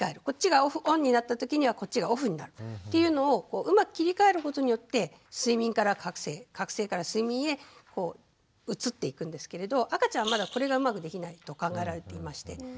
こっちがオンになった時にはこっちがオフになるというのをうまく切り替えることによって睡眠から覚醒覚醒から睡眠へ移っていくんですけれど赤ちゃんはまだこれがうまくできないと考えられていまして。